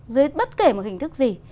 dưới bất kể một hình thức gì